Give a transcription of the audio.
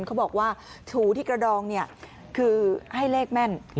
เขาบอกว่าถูที่กระดองเนี่ยคือให้เลขแม่น